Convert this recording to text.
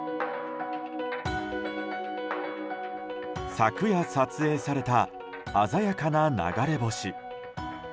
昨夜撮影された鮮やかな流れ星。